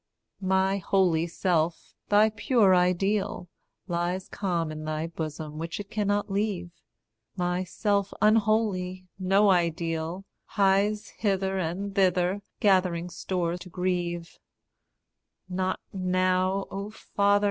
My holy self, thy pure ideal, lies Calm in thy bosom, which it cannot leave; My self unholy, no ideal, hies Hither and thither, gathering store to grieve Not now, O Father!